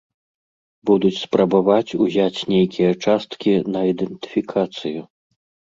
Будуць спрабаваць узяць нейкія часткі на ідэнтыфікацыю.